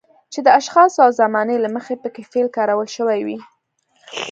چې د اشخاصو او زمانې له مخې پکې فعل کارول شوی وي.